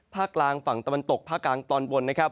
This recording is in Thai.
กลางฝั่งตะวันตกภาคกลางตอนบนนะครับ